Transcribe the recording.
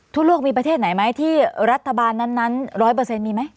ทั่วโลกมีประเทศไหนไหมที่รัฐบาลนั้น๑๐๐มีไหม